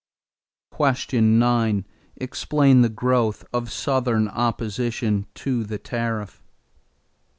9. Explain the growth of Southern opposition to the tariff.